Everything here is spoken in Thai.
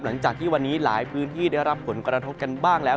หลังจากที่วันนี้หลายพื้นที่ได้รับผลกระทบกันบ้างแล้ว